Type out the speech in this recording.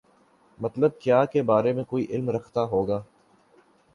مطلب کیا کے بارے میں کوئی علم رکھتا ہو گا